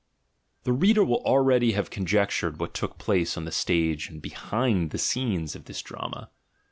The reader will already have conjectured what took place on the stage and behind the scenes of this drama.